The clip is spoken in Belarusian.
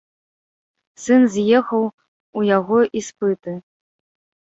Сын з'ехаў, у яго іспыты.